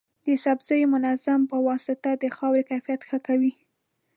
د سبزیو منظم پواسطه د خاورې کیفیت ښه کوي.